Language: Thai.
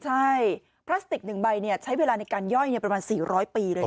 ใช่พลาสติก๑ใบใช้เวลาในการย่อยประมาณ๔๐๐ปีเลยนะ